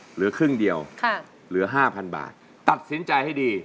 เหลือครึ่งเดียวเหลือ๕๐๐บาทตัดสินใจให้ดี